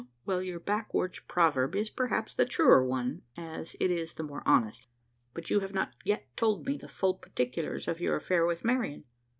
Well your backwoods proverb is perhaps the truer one, as it is the more honest. But you have not yet told me the full particulars of your affair with Marian?